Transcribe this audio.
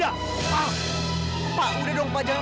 kalau saya kan hanya keras